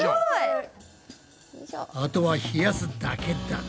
あとは冷やすだけだな。